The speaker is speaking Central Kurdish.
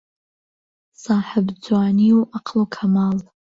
ساحب جوانی و عهقل و کهماڵ